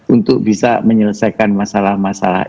untuk bisa menyelesaikan masalah masalah